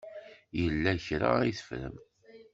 Yella kra i teffrem.